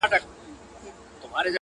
چي په لاسونو كي رڼا وړي څوك!!